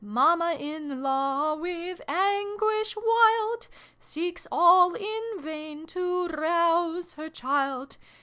Mamma in laiv, with anguish wild, Seeks, all in vain, to rouse her child.